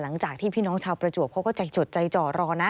หลังจากที่พี่น้องชาวประจวบเขาก็ใจจดใจจ่อรอนะ